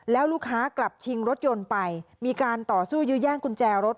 แล้วลูกค้ากลับชิงรถยนต์ไปมีการต่อสู้ยื้อแย่งกุญแจรถ